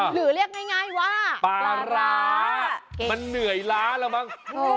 หรือเรียกง่ายว่าปลาร้ามันเหนื่อยล้าแล้วมั้ง